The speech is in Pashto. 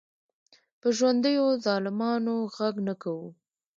په ژوندیو ظالمانو غږ نه کوو.